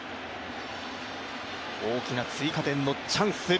大きな追加点のチャンス。